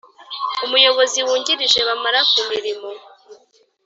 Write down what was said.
Umuyobozi Wungirije bamara ku mirimo